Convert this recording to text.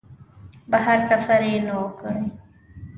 بهر سفر یې نه و کړی.